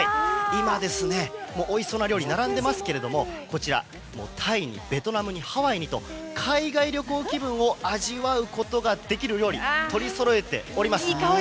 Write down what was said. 今、おいしそうな料理が並んでいますけどこちらタイにベトナムにハワイにと海外旅行気分を味わうことができる料理を取りそろえております。